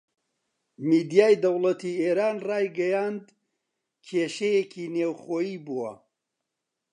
میدیای دەوڵەتی ئێران ڕایگەیاند کێشەیەکی نێوخۆیی بووە